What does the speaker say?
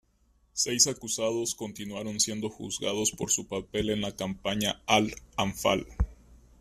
Seis acusados continuaron siendo juzgados por su papel en la campaña al-Anfal.